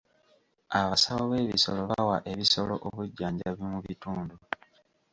Abasawo b'ebisolo bawa ebisolo obujjanjabi mu bitundu.